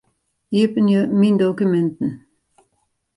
Iepenje Myn dokuminten.